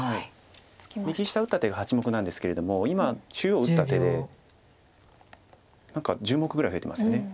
右下打った手が８目なんですけれども今中央打った手で何か１０目ぐらい増えてますよね。